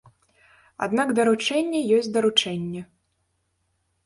Аднак даручэнне ёсць даручэнне.